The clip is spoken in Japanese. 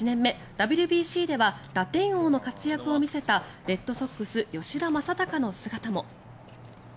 ＷＢＣでは打点王の活躍を見せたレッドソックス吉田正尚の姿も。